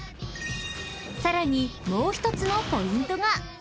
［さらにもう一つのポイントが］